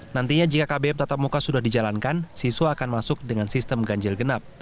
nantinya jika kbm tatap muka sudah dijalankan siswa akan masuk dengan sistem ganjil genap